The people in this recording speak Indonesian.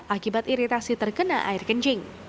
akibat iritasi terkena air kencing